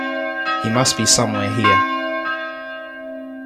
He must be somewhere here.